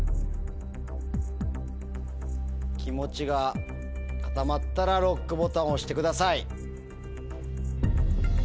気持ちが固まったらＬＯＣＫボタンを押してください！